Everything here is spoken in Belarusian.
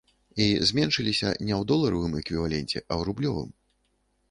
І зменшыліся не ў доларавым эквіваленце, а ў рублёвым.